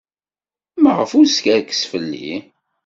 Maɣef ay skerksen fell-i?